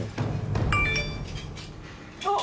あっ！